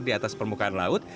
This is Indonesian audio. di atas permukaan laut